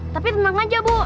tapi tenang aja bu